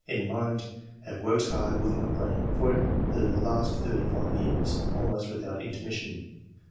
In mind — Have worked hard with my brain for the last thirty five years, almost without intermission.